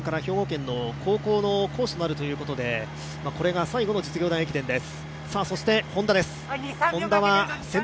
来年から兵庫県の高校の教師になるということで、これが最後の実業団駅伝です。